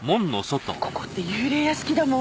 ここって幽霊屋敷だもん。